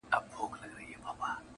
د مسافر لالي د پاره-